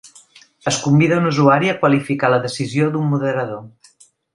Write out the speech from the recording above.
Es convida un usuari a qualificar la decisió d'un moderador.